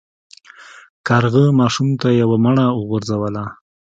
کارغه ماشوم ته یوه مڼه وغورځوله.